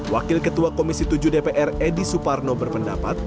wakil ketua komisi tujuh dpr edi suparno berpendapat